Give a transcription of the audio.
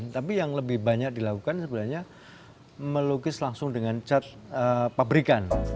tapi yang lebih banyak dilakukan sebenarnya melukis langsung dengan cat pabrikan